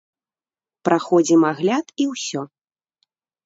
Праходзім агляд і ўсё.